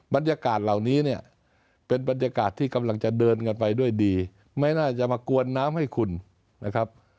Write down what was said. บรรยากาศเหล่านี้เนี่ยเป็นบรรยากาศที่กำลังจะเดินกันไปด้วยดีไม่น่าจะมากวนน้ำให้คุณนะครับ